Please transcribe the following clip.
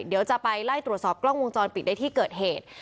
เดี๋ยวจะไปไล่ตรวจสอบกล้องวงจรปิดในที่เกิดเหตุ